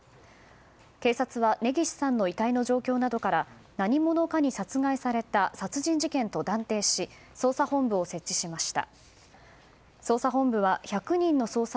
警察は根岸さんの遺体の状況などから何者かに殺害された殺人事件と断定し捜査本部を設置しました。